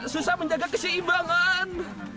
susah menjaga keseimbangan